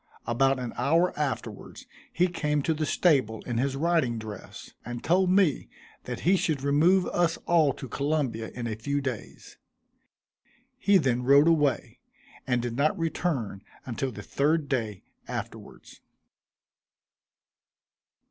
About an hour afterwards he came to the stable in his riding dress; and told me that he should remove us all to Columbia in a few days. He then rode away, and did not return until the third day afterwards.